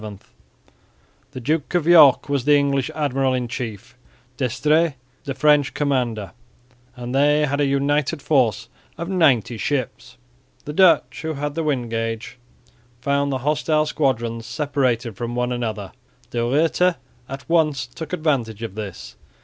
The Duke of York was the English admiral in chief, D'Estrées the French commander, and they had a united force of ninety ships. The Dutch, who had the wind gauge, found the hostile squadrons separated from one another. De Ruyter at once took advantage of this.